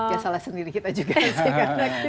ya salah sendiri kita juga